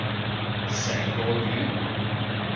成個月？